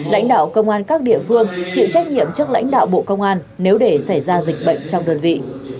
lãnh đạo công an các địa phương chịu trách nhiệm trước lãnh đạo bộ công an nếu để xảy ra dịch bệnh trong đơn vị